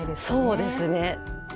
そうですね。